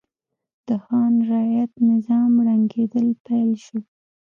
د خان رعیت نظام ړنګېدل پیل شول.